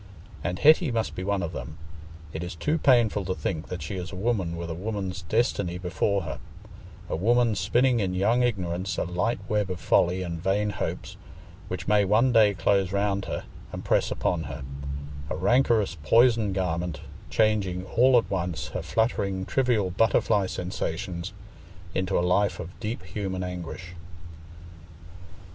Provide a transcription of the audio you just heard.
And Hetty must be one of them: it is too painful to think that she is a woman, with a woman's destiny before her—a woman spinning in young ignorance a light web of folly and vain hopes which may one day close round her and press upon her, a rancorous poisoned garment, changing all at once her fluttering, trivial butterfly sensations into a life of deep human anguish.